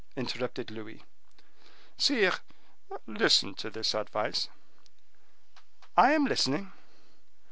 interrupted Louis. "Sire, listen to this advice." "I am listening."